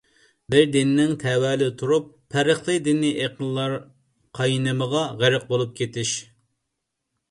بىر دىننىڭ تەۋەلىرى تۇرۇپ پەرقلىق دىنىي ئېقىنلار قاينىمىغا غەرق بولۇپ كېتىش.